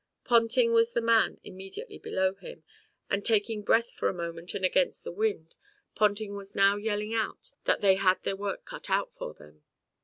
Ponting was the man immediately below him, and taking breath for a moment and against the wind, Ponting was now yelling out that they had their work cut out for them.